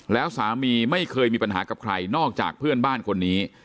แล้วสามีไม่เคยมีปัญหากับใครนอกจากเพื่อนบ้านคนนี้